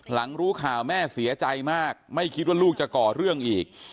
หลังรู้ข่าวแม่เสียใจมากไม่คิดว่าลูกจะก่อเรื่องอีก